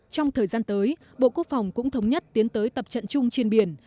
trong thời gian tới bộ quốc phòng cũng thống nhất tiến tới tập trận chung trên biển